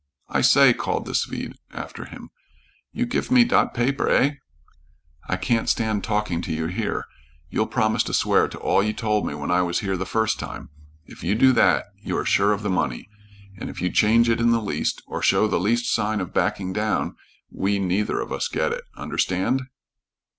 "I say," called the Swede after him. "You gif me dot paper. Eh?" "I can't stand talking to you here. You'll promise to swear to all you told me when I was here the first time. If you do that, you are sure of the money, and if you change it in the least, or show the least sign of backing down, we neither of us get it. Understand?"